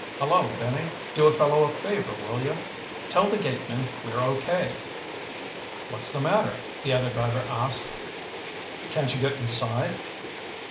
"Hello, Benny! Do a fellow a favor, will you? Tell the gateman we're okay." "What's the matter?" the other driver asked. "Can't you get inside?"